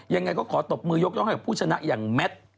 ยังไงก็ขอตบมือยกย่องให้กับผู้ชนะอย่างแมท